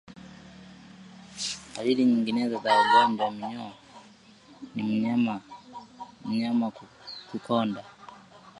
Dalili nyinginezo za ugonjwa wa minyoo ni mnyama kukonda